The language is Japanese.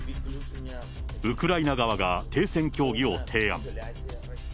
ウクライナ側が停戦協議を提案。